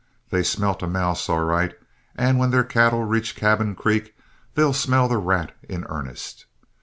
They smelt a mouse all right, and when their cattle reach Cabin Creek, they'll smell the rat in earnest.